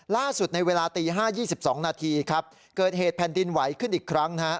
ล่าสุดในเวลาตี๕๒๒นาทีเกิดเหตุแผ่นดินไหวขึ้นอีกครั้ง